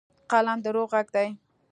قلم د روح غږ دی.